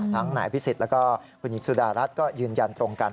ทั้งหน่ายพิสิทธิ์แล้วก็คุณหญิงสุดารัฐก็ยืนยันตรงกัน